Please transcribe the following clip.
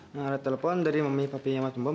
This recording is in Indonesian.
nah ada telepon dari mami papi sama tompong